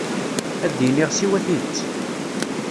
Ad d-iniɣ siwa tidet.